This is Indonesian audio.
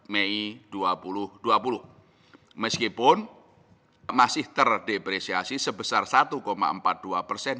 meskipun masih terdepresiasi sebesar satu empat puluh dua persen